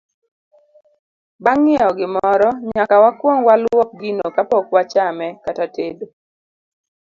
Bang' ng'iewo gimoro, nyaka wakwong walwok gino kapok wachame kata tedo.